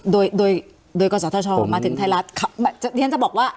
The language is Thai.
โดยโดยโดยกฎศาสตร์ธรรมมาถึงไทยรัฐค่ะเดี๋ยวเนี้ยจะบอกว่า